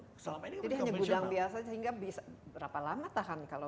jadi hanya gudang biasa sehingga berapa lama tahan